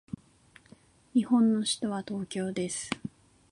日本の首都は東京です。